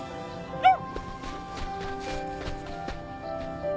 うん。